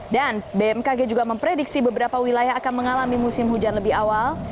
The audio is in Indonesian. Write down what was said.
dan bmkg juga memprediksi beberapa wilayah akan mengalami musim hujan lebih awal